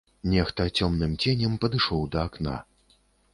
Нехта цёмным ценем падышоў да акна.